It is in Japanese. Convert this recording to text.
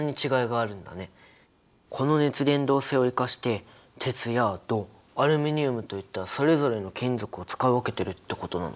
この熱伝導性を生かして鉄や銅アルミニウムといったそれぞれの金属を使い分けてるってことなのかな？